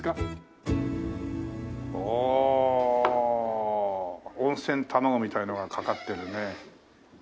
おお温泉卵みたいのがかかってるね。